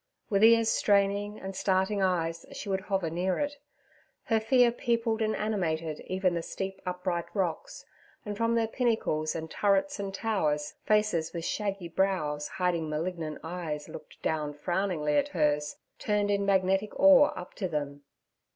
With ears straining and starting eyes she would hover near it. Her fear peopled and animated even the steep upright rocks, and from their pinnacles and turrets and towers, faces with shaggy brows, hiding malignant eyes, looked down frowningly at hers, turned in magnetic awe up to them.